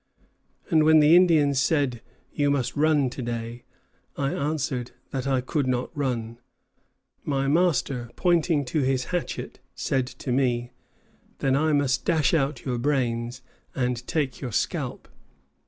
And when the Indians said, 'You must run to day,' I answered I could not run. My master, pointing to his hatchet, said to me, 'Then I must dash out your brains and take your scalp.'"